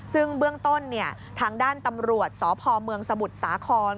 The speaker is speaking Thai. ซึ่งเบื้องต้นทางด้านตำรวจสพเมืองสมุทรสาคร